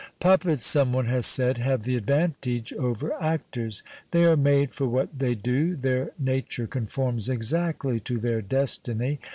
Puppets, someone has said, have this advantage over actors : they are made for what they do, their nature conforms exactly to their destiny.